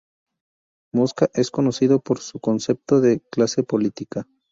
Mosca es conocido por su concepto de clase política.